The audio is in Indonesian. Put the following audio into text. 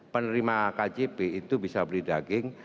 penerima kjp itu bisa beli daging